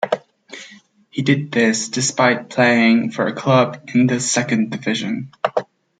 He did this despite playing for a club in the Second Division.